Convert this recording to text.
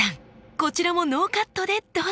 こちらもノーカットでどうぞ！